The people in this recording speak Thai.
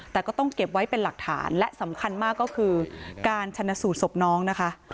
แต่ก็ต้องเก็บไว้เป็นหลักฐานและสำคัญมากก็คือการชนะสูตรศพน้องนะคะ